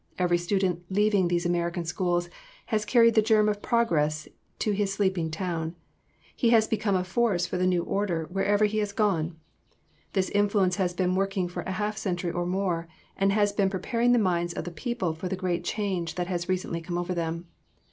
Every student leaving these American schools has carried the germ of progress to his sleeping town. He has become a force for the new order wherever he has gone. This influence has been working for a half century or more, and has been preparing the minds of the people for the great change that has recently come over them.